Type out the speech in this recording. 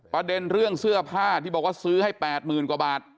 ประเด็นเรื่องเสื้อผ้าที่บอกว่าซื้อให้๘๐๐๐กว่าบาท